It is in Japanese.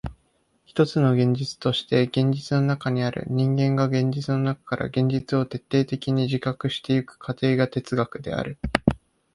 ひとつの現実として現実の中にある人間が現実の中から現実を徹底的に自覚してゆく過程が哲学である。